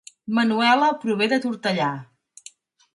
Manuela prové de Tortellà